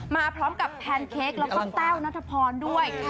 มาพร้อมกับแพนเค้กแล้วก็แต้วนัทพรด้วย